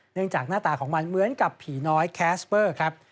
จากหน้าตาของมันเหมือนกับผีน้อยแคสเปอร์ครับ